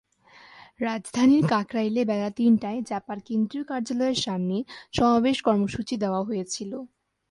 রাজধানীর কাকরাইলে বেলা তিনটায় জাপার কেন্দ্রীয় কার্যালয়ের সামনে সমাবেশ কর্মসূচি দেওয়া হয়েছিল।